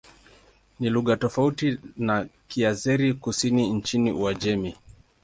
Ni lugha tofauti na Kiazeri-Kusini nchini Uajemi.